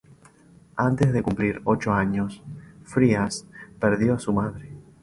Antes de cumplir ocho años, Frías perdió a su madre.